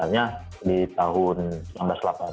ternyata persertaannya hampir selalu sama